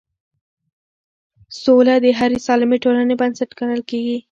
سوله د هرې سالمې ټولنې بنسټ ګڼل کېږي